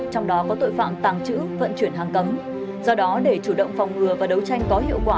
tội phạm tàng trữ vận chuyển hàng cấm do đó để chủ động phòng ngừa và đấu tranh có hiệu quả